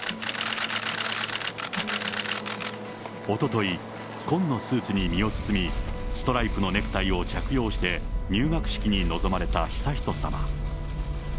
おととい、紺のスーツに身を包み、ストライプのネクタイを着用して、入学式に臨まれた悠仁さま。